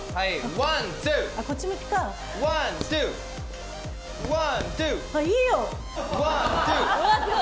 ワン・ツー！